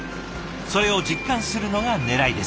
それを実感するのがねらいです。